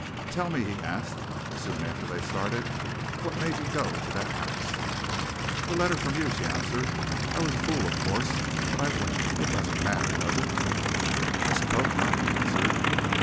"Tell me," he asked, soon after they started, "what made you go to that house?" "The letter from you," she answered. "I was a fool, of course, but I went. It doesn't matter, does it?" "I suppose not," he answered.